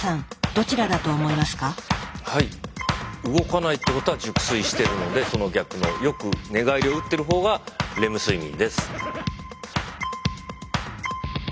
動かないってことは熟睡してるのでその逆のよく寝返りをうってる方がレム睡眠です。